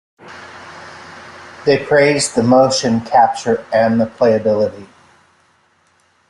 They praised the motion capture and the playability.